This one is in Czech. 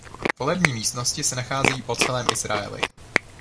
Volební místnosti se nacházejí po celém Izraeli.